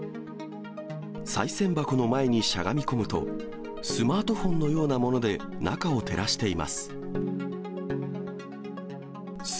さい銭箱の前にしゃがみ込むと、スマートフォンのようなもので中を照らしています。